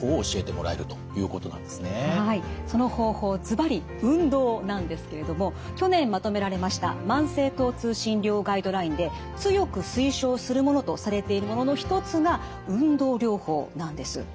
その方法ずばり運動なんですけれども去年まとめられました慢性疼痛診療ガイドラインで強く推奨するものとされているものの一つが運動療法なんです。